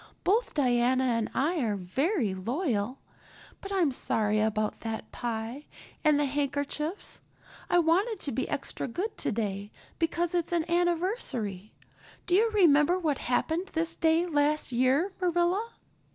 Both Diana and I are very loyal. But I'm sorry about that pie and the handkerchiefs. I wanted to be extra good today because it's an anniversary. Do you remember what happened this day last year, Marilla?"